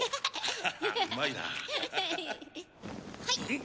はい！